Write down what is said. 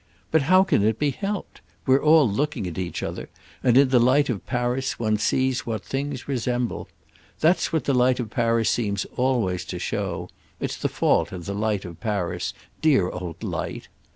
But how can it be helped? We're all looking at each other—and in the light of Paris one sees what things resemble. That's what the light of Paris seems always to show. It's the fault of the light of Paris—dear old light!"